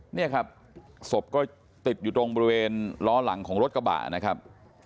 นี่ครับศพก็ติดอยู่ตรงบริเวณล้อหลังของรถกระบะนะครับ